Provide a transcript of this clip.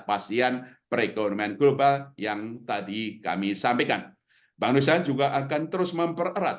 pasien perekonomian global yang tadi kami sampaikan bank indonesia juga akan terus mempererat